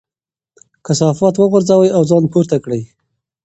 کثافات وغورځوئ او ځان پورته کړئ.